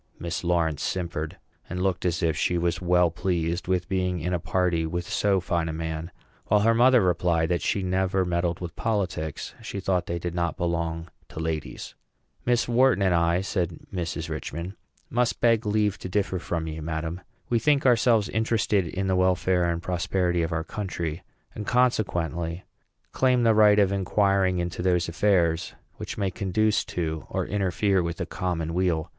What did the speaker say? Miss Lawrence simpered, and looked as if she was well pleased with being in a party with so fine a man; while her mother replied that she never meddled with politics. "Miss Wharton and I," said Mrs. Richman, "must beg leave to differ from you, madam. We think ourselves interested in the welfare and prosperity of our country; and, consequently, claim the right of inquiring into those affairs which may conduce to or interfere with the common weal.